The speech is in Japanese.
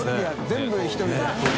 全部１人でやってる。